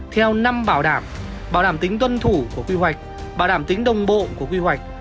theo năm bảo đảm bảo tính tuân thủ của quy hoạch bảo đảm tính đồng bộ của quy hoạch